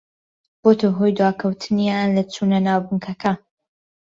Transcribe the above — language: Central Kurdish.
بۆتە هۆی دواکەوتنیان لە چوونە ناو بنکەکە